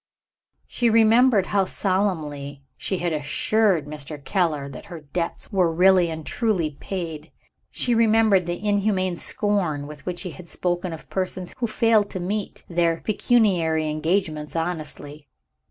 She remembered how solemnly she had assured Mr. Keller that her debts were really and truly paid. She remembered the inhuman scorn with which he had spoken of persons who failed to meet their pecuniary engagements honestly.